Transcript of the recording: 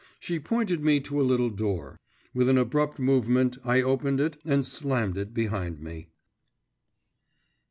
She pointed me to a little door; with an abrupt movement I opened it and slammed it behind me.